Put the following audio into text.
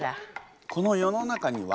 「この世の中には」？